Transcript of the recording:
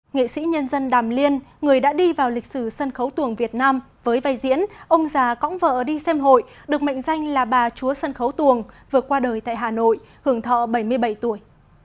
nghệ sĩ nhân dân đàm liên người đã đi vào lịch sử sân khấu tuồng việt nam với vai diễn ông già cõng vợ đi xem hội được mệnh danh là bà chúa sân khấu tuồng vượt qua đời tại hà nội hưởng thọ bảy mươi bảy tuổi